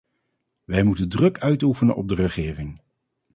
Wij moeten druk uitoefenen op de regering.